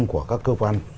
của các cơ quan